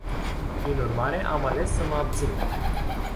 Prin urmare, am ales să mă abțin.